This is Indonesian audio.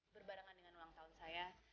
berbarengan dengan ulang tahun saya